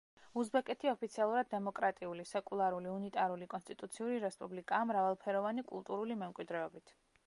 უზბეკეთი ოფიციალურად დემოკრატიული, სეკულარული, უნიტარული, კონსტიტუციური რესპუბლიკაა მრავალფეროვანი კულტურული მემკვიდრეობით.